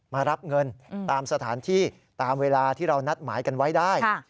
มารับเงินตามสถานที่ตามเวลาที่เรานัดหมายกันไว้ได้